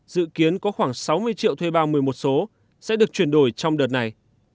dự kiến có khoảng sáu mươi triệu thuê bao một mươi một số sẽ được chuyển đổi trong đợt này